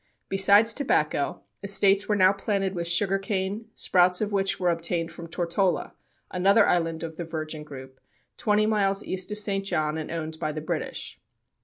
Besides tobacco, estates were now planted with sugar cane, sprouts of which were obtained from Tortola, another island of the Virgin group, twenty miles east of St. John, and owned by the British.